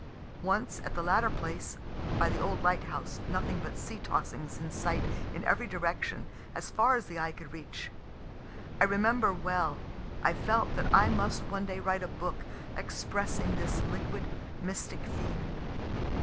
Once, at the latter place, (by the old lighthouse, nothing but sea tossings in sight in every direction as far as the eye could reach,) I remember well, I felt that I must one day write a book expressing this liquid, mystic theme.